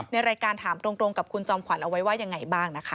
ในรายการถามตรงกับคุณจอมขวัญเอาไว้ว่ายังไงบ้างนะคะ